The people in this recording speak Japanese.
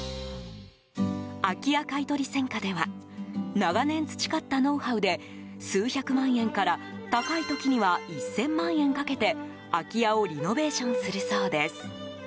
空き家買取専科では長年培ったノウハウで数百万円から高い時には１０００万円かけて空き家をリノベーションするそうです。